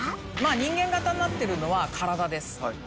人間型になってるのは体です。